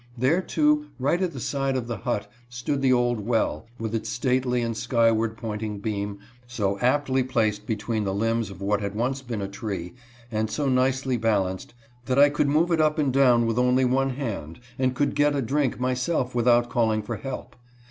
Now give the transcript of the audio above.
There, too, right at the side of the hut, stood the old well, with its stately and skyward pointing beam, so aptly placed between the limbs of what had once been a tree, .and so nicely balanced, that I could move it up and down with only one hand, and could get a drink myself without calling for help.